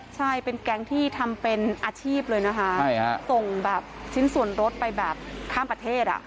ใช่เป็นแก๊งที่ทำเป็นอาชีพเลยนะคะส่งแบบชิ้นส่วนรถไปแบบข้ามประเทศอ่ะ